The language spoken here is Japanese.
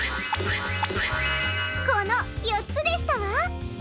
このよっつでしたわ。